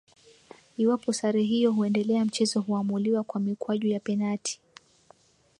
Iwapo sare hiyo huendelea mchezo huamuliwa kwa mikwaju ya penati